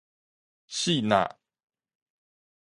爍爁